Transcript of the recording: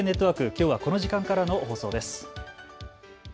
きょうはこの時間からの放送です。